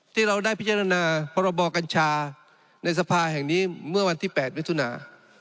ที่เราได้พิจารณาพรบกัญชาในสภาแห่งนี้เมื่อวันที่๘มิถุนา